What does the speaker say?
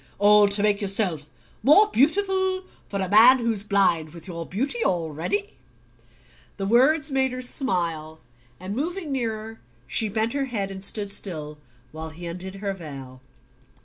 "All to make yourself more beautiful for a man who's blind with your beauty already?" The words made her smile, and moving nearer she bent her head and stood still while he undid her veil.